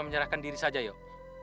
menyerahkan diri saja yuk